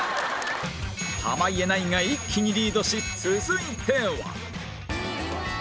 濱家ナインが一気にリードし続いては